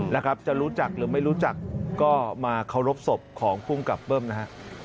นะครับจะรู้จักหรือไม่รู้จักก็มาเคารพศพของภูมิกับเบิ้มนะฮะ